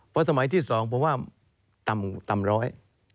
เพราะสมัยที่สองผมว่าต่ำต่ำร้อย